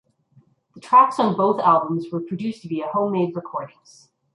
The tracks on both albums were produced via homemade recordings.